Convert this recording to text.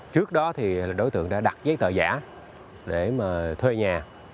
trước đó thì đối tượng đã đặt giấy tờ giả để mà thuê nhà